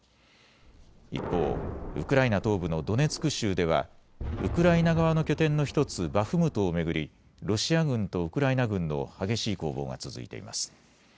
一方、ウクライナ東部のドネツク州ではウクライナ側の拠点の１つ、バフムトを巡りロシア軍とウクライナ軍の激しい攻防が続いています。